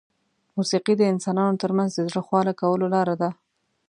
موسیقي د انسانانو ترمنځ د زړه خواله کولو لاره ده.